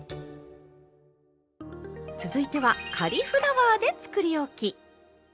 続いてはカリフラワーでつくりおき。